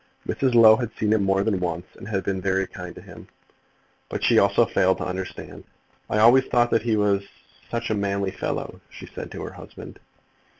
Mrs. Low had seen him more than once, and had been very kind to him; but she also failed to understand. "I always thought that he was such a manly fellow," she said to her husband.